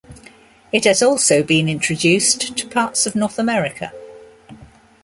It has also been introduced to parts of North America.